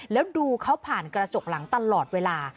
แล้วดูเขาผ่านกระจกหลังตลอดเวลา